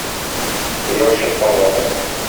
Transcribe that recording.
Кояш чыккан вакыт.